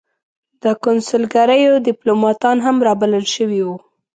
د کنسلګریو دیپلوماتان هم را بلل شوي وو.